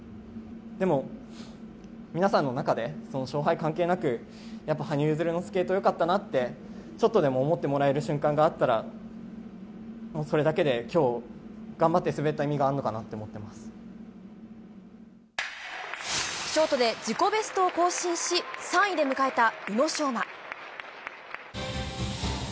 でも、皆さんの中でその勝敗関係なく、やっぱ羽生結弦のスケートよかったなって、ちょっとでも思ってもらえる瞬間があったら、それだけできょう、頑張って滑った意味がショートで自己ベストを更新し、３位で迎えた宇野昌磨。